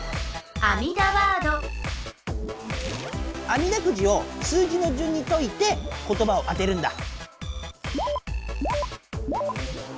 あみだくじを数字のじゅんにといて言葉を当てるんだ。